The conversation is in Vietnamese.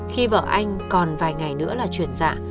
khi vợ anh còn vài ngày nữa là chuyển dạ